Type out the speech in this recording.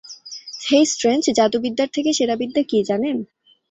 হেই strange, জাদুবিদ্যার থেকে সেরা বিদ্যা কী, জানেন?